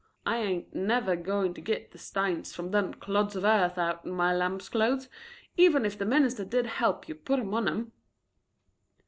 I ain't never goin' to git the stains from them clods of earth outen my lambs' clothes, even if the minister did help you put 'em on 'em."